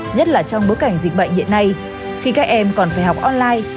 nhất là trong bối cảnh dịch bệnh hiện nay khi các em còn phải học online